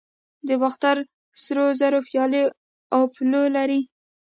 د باختر سرو زرو پیالې اپولو لري